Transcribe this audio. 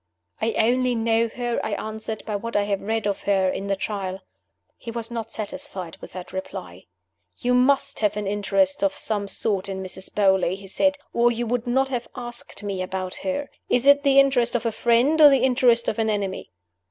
"I only know her," I answered, "by what I have read of her in the Trial." He was not satisfied with that reply. "You must have an interest of some sort in Mrs. Beauly," he said, "or you would not have asked me about her. Is it the interest of a friend, or the interest of an enemy?"